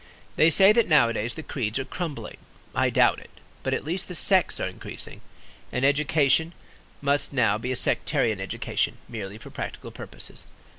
They say that nowadays the creeds are crumbling; I doubt it, but at least the sects are increasing; and education must now be sectarian education, merely for practical purposes.